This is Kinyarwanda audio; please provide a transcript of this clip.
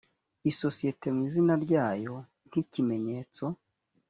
isosiyete mu izina ryayo nk ikimenyetso